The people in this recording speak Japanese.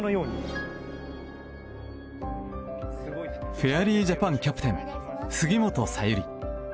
フェアリージャパンキャプテン、杉本早裕吏。